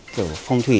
kiểu phong thủy